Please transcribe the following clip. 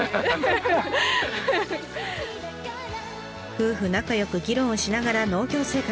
夫婦仲よく議論をしながら農業生活。